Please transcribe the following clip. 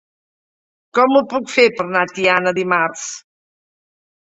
Com ho puc fer per anar a Tiana dimarts?